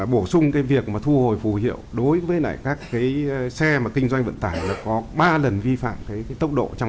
bổ sung việc thu hồi phù hiệu đối với các xe kinh doanh vận tải có ba lần vi phạm tốc độ trong